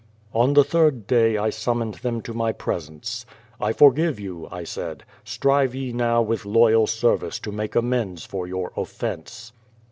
On the third day I summoned them to my presence. "I forgive you," I said. "Strive ye now with loyal ser vice to make amends for your offence."